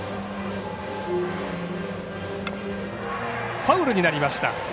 ファウルになりました。